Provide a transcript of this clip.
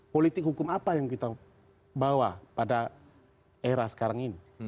politik hukum apa yang kita bawa pada era sekarang ini